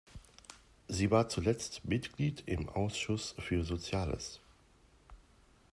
Sie war zuletzt Mitglied im Ausschuss für Soziales.